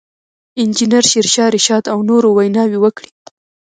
انجنیر شېرشاه رشاد او نورو ویناوې وکړې.